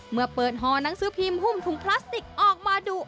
เมื่อเปิดห่อหนังสือพิมพ์หุ้มถุงพลาสติกออกมาดุ